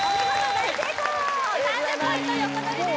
大成功３０ポイント横取りです